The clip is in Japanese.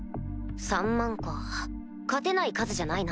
３万か勝てない数じゃないな。